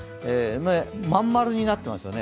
真ん丸になってますよね。